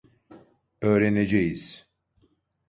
Öğreneceğiz.